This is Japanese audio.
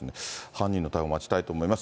犯人の逮捕を待ちたいと思います。